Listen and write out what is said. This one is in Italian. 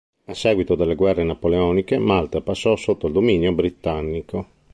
A seguito delle guerre napoleoniche, Malta passò sotto dominio britannico.